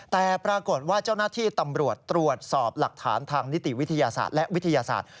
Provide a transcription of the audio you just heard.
แต่ปรากฏว่าเจ้าหน้าที่ตำรวจตรวจสอบหลักฐานทางนิติวิทยาศาสตร์และวิทยาศาสตร์